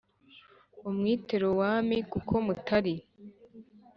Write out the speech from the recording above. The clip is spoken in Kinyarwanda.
Umwite lowami kuko mutari